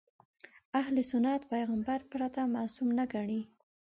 اهل سنت پیغمبر پرته معصوم نه ګڼي.